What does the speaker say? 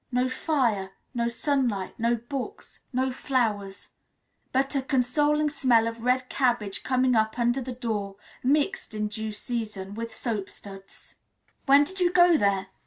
No fire, no sunlight, no books, no flowers; but a consoling smell of red cabbage coming up under the door, mixed, in due season, with soapsuds." "When did you go there?"